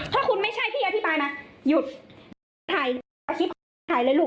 พ่อคุณไม่ใช่พี่อธิบายมาหยุดถ่ายผมทำถ่ายเลยลูก